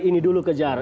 ini dulu kejar